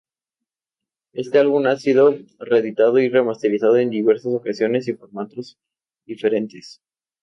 Este álbum ha sido reeditado y remasterizado en diversas ocasiones y formatos diferentes.